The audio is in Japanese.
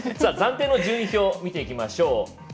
暫定の順位表見ていきましょう。